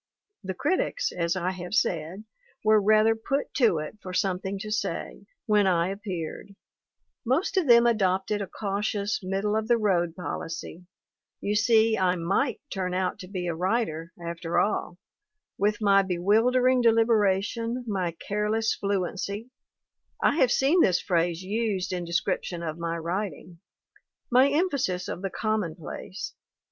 The critics, as I have said, were rather put to it for something to say, when I appeared ; most of them adopted a cautious, middle of the road policy; you see I might turn out to be a writer after all, with my bewildering deliberation, my 'careless fluency' I have seen this phrase used in description of my writing my emphasis of the commonplace.